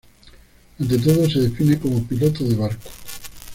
Ante todo, se define como "piloto de barco".